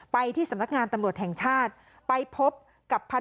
ไปที่สำนักงานตำรวจแห่งชาติไปพบกับพันธ